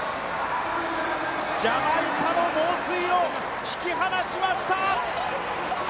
ジャマイカの猛追を引き離しました！